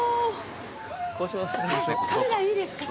カメラいいですか？